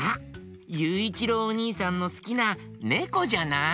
ゆういちろうおにいさんのすきなねこじゃない？